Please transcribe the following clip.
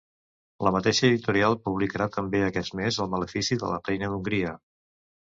La mateixa editorial publicarà també aquest mes El malefici de la reina d’Hongria.